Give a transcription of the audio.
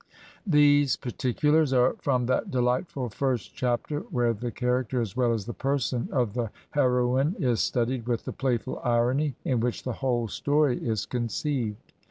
These particulars are from that delightful first chap ter where the character as well as the person of the hero ine is studied with the playful irony in which the whole story is conceived.